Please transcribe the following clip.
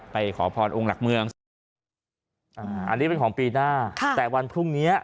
ขอพรองค์หลักเมืองอ่าอันนี้เป็นของปีหน้าค่ะแต่วันพรุ่งนี้